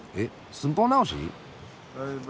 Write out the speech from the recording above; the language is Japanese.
寸法直し？